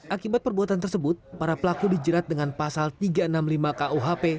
akibat perbuatan tersebut para pelaku dijerat dengan pasal tiga ratus enam puluh lima kuhp